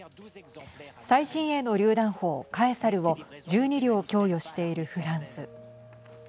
最新鋭のりゅう弾砲カエサルを１２両供与しているフランス。